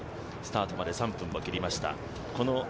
スタートまで３分を切りました。